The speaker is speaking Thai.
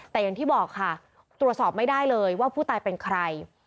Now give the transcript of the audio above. แต่อย่างที่บอกค่ะตรวจสอบไม่ได้เลยว่าผู้ตายเป็นใคร